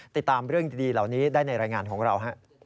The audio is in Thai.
ติดตามเรื่องดีเหล่านี้ได้ในรายงานของเรา